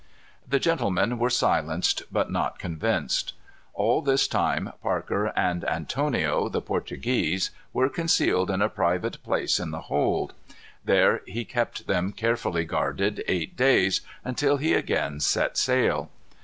The gentlemen were silenced, but not convinced. All this time Parker and Antonio the Portuguese were concealed in a private place in the hold. There he kept them carefully guarded eight days, until he again set sail.